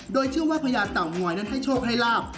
โดยเชื่อว่าพญาเต่างอยนั้นให้โชคให้ลาบ